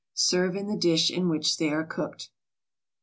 Serve in the dish in which they are cooked.